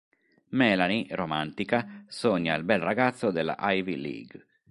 Melanie, romantica, sogna il bel ragazzo della Ivy League.